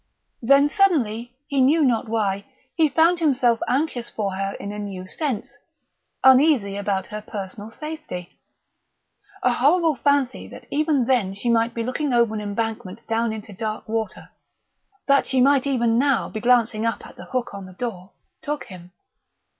Then suddenly, he knew not why, he found himself anxious for her in a new sense uneasy about her personal safety. A horrible fancy that even then she might be looking over an embankment down into dark water, that she might even now be glancing up at the hook on the door, took him.